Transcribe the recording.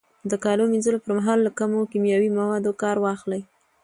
د کالو مینځلو پر مهال له کمو کیمیاوي موادو کار واخلئ.